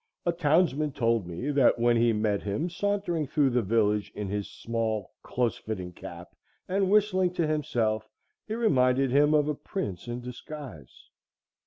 A townsman told me that when he met him sauntering through the village in his small close fitting cap, and whistling to himself, he reminded him of a prince in disguise.